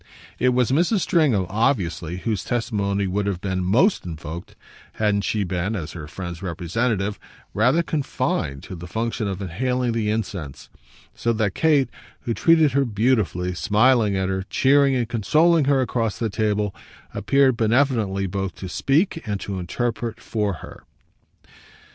It was Mrs. Stringham, obviously, whose testimony would have been most invoked hadn't she been, as her friend's representative, rather confined to the function of inhaling the incense; so that Kate, who treated her beautifully, smiling at her, cheering and consoling her across the table, appeared benevolently both to speak and to interpret for her.